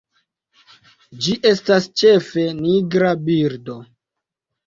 Ĝi estas ĉefe nigra birdo.